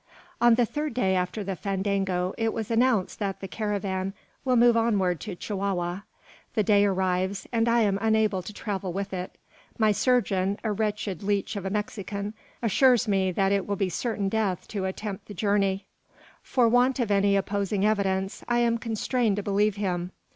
On the third day after the fandango, it is announced that the caravan will move onward to Chihuahua. The day arrives, and I am unable to travel with it. My surgeon, a wretched leech of a Mexican, assures me that it will be certain death to attempt the journey. For want of any opposing evidence, I am constrained to believe him.